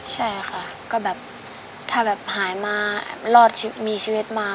ใช่ค่ะก็แบบถ้าแบบหายมารอดชีวิตมีชีวิตมา